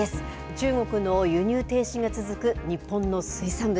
中国の輸入停止が続く日本の水産物。